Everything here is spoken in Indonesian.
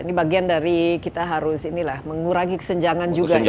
ini bagian dari kita harus inilah mengurangi kesenjangan juga